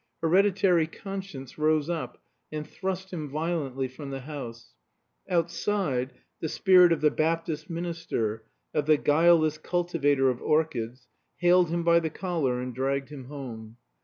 Hereditary conscience rose up and thrust him violently from the house; outside, the spirit of the Baptist minister, of the guileless cultivator of orchids, haled him by the collar and dragged him home.